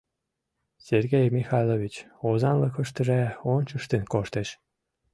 Сергей Михайлович озанлыкыштыже ончыштын коштеш.